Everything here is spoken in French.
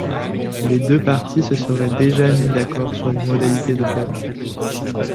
Les deux parties se seraient déjà mis d'accord sur les modalités de paiement.